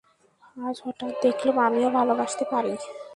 আজ হঠাৎ দেখলুম, আমিও ভালোবাসতে পারি।